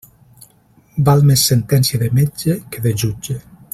Val més sentència de metge que de jutge.